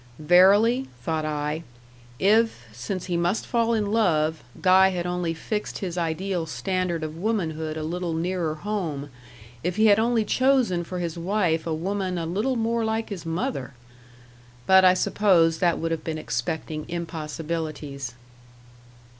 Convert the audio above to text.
"Verily," thought I, "if, since he must fall in love, Guy had only fixed his ideal standard of womanhood a little nearer home if he had only chosen for his wife a woman a little more like his mother!" But I suppose that would have been expecting impossibilities.